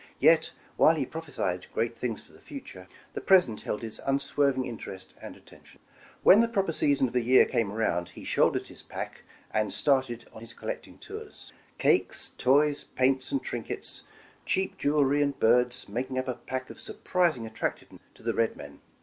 Yet while he prophesied great things for the future, the present held his unswerving interest and attention. When the proper season of the year came aroundj he shouldered his pack and started on his collecting tours. Cakes, toys, paints and trinkets, cheap jewelry and birds, making up a pack of surprising attractive ness to the red men.